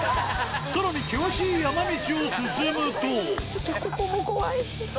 さらに険しい山道を進むとここも怖いし。